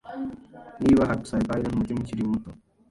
Niba Hypsipylen umutima ukiri muto